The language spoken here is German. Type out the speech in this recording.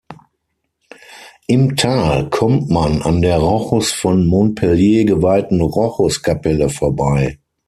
Im Tal kommt man an der Rochus von Montpellier geweihten "Rochuskapelle" vorbei.